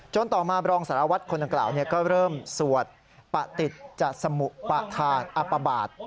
จนต่อมารองสารวัดคนต่างกล่าวเนี่ยก็เริ่มสวดปะติดจะสมุปะทาอัปบาท